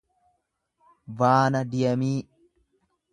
vaanadiyemii